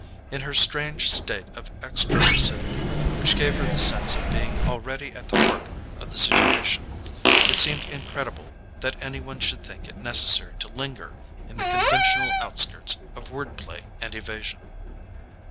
In her strange state of extra lucidity, which gave her the sense of being already at the heart of the situation, it seemed incredible that any one should think it necessary to linger in the conventional outskirts of word play and evasion.